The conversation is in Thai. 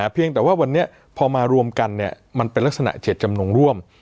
เพียงแต่ว่าวันนี้พอมารวมกันมันเป็นลักษณะเจ็ดจำนงร่วม